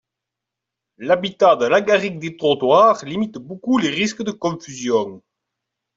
L'habitat de l'agaric des trottoirs limite beaucoup les risques de confusion.